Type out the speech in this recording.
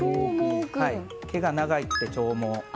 毛が長くて兆猛。